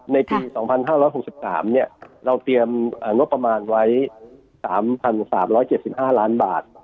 ในปีสองพันห้าร้อยหกสิบสามเนี่ยเราเตรียมงบประมาณไว้สามพันสามร้อยเจ็ดสิบห้าร้านบาท